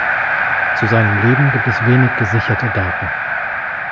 Zu seinem Leben gibt es wenig gesicherte Daten.